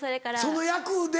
その役で。